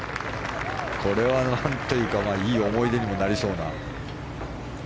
これは何というかいい思い出にもなりそうな。